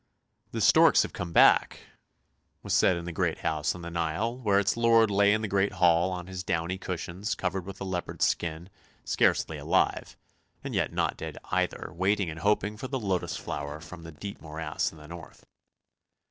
" The storks have come back," was said in the great house on the Nile, where its lord lay in the great hall on his downy cushions covered with a leopard skin, scarcely alive, and yet not dead either, waiting and hoping for the lotus flower from the deep morass in the north.